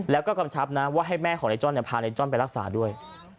แล้วก็กำชับนะว่าให้แม่ของนายจ้อนพานายจ้อนไปรักษาด้วย